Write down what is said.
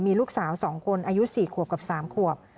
มีลูกสาว๒คนอายุ๔ขวบกับ๓ขวบ